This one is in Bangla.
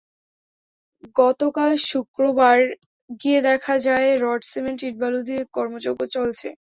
গতকাল শুক্রবার গিয়ে দেখা যায়, রড, সিমেন্ট, ইট, বালু দিয়ে কর্মযজ্ঞ চলছে।